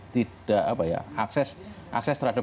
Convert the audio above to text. tidak apa ya akses terhadap